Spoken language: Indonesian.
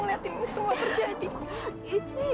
liatin ini semua terjadi